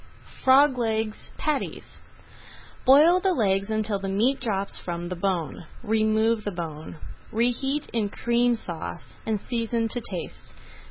FROG LEGS PATTIES Boil the legs until the meat drops from the bone, remove the bone, reheat in Cream Sauce, and season to taste.